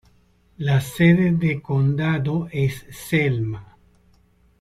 La sede de condado es Selma.